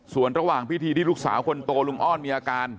ส่วนระหว่างพิธีที่ลูกสาวคนโตลุงอ้อนมีอาการ